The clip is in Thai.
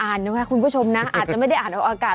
นะคะคุณผู้ชมนะอาจจะไม่ได้อ่านออกอากาศ